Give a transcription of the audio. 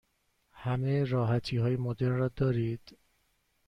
همه راحتی های مدرن را دارید؟